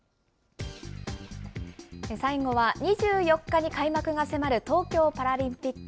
最後は２４日に開幕が迫る東京パラリンピック。